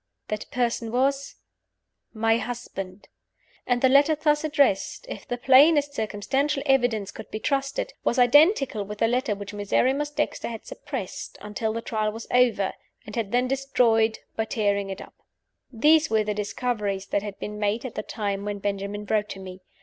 That person was my husband. And the letter thus addressed if the plainest circumstantial evidence could be trusted was identical with the letter which Miserrimus Dexter had suppressed until the Trial was over, and had then destroyed by tearing it up. These were the discoveries that had been made at the time when Benjamin wrote to me.